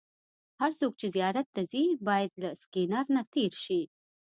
هر څوک چې زیارت ته ځي باید له سکېنر نه تېر شي.